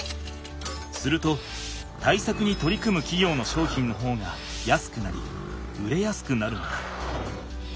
すると対策に取り組むきぎょうの商品の方が安くなり売れやすくなるのだ。